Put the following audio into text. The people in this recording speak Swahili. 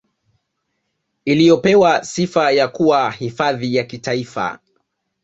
Iliyopewa sifa ya kuwa hifadhi ya Kitaifa